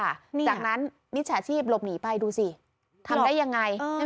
จากนั้นมิจฉาชีพหลบหนีไปดูสิทำได้ยังไง